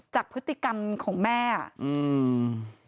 จากพฤติกรรมของแม่อ่ะอืม